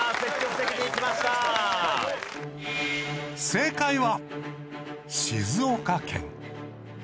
正解は静岡県。